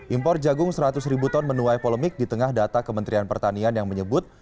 impor jagung seratus ribu ton menuai polemik di tengah data kementerian pertanian yang menyebut